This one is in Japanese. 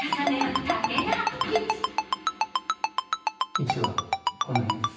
位置はこの辺です。